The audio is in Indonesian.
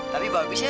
tapi bagus ya